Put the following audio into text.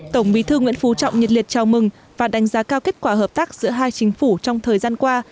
tổng bí thư nguyễn phú trọng nhiệt liệt chào mừng và đánh giá cao kết quả hợp tác giữa hai chính phủ trong thời gian qua